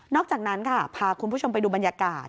อกจากนั้นค่ะพาคุณผู้ชมไปดูบรรยากาศ